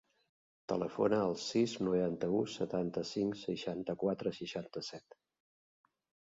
Telefona al sis, noranta-u, setanta-cinc, seixanta-quatre, seixanta-set.